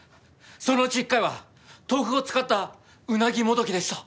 そのうち１回は豆腐を使ったうなぎもどきでした。